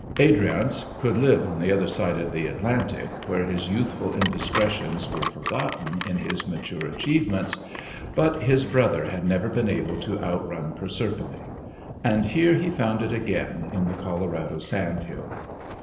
Adriance could live on the other side of the Atlantic, where his youthful indiscretions were forgotten in his mature achievements, but his brother had never been able to outrun Proserpine, and here he found it again, in the Colorado sand hills.